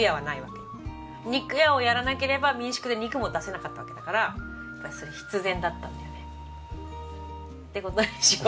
肉屋をやらなければ民宿で肉も出せなかったわけだからやっぱりそれ必然だったんだよね。って事にしよう。